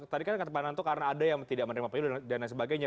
tadi kan kata pak yonanto karena ada yang tidak menerima perjudian dan sebagainya